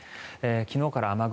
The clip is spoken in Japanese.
昨日からの雨雲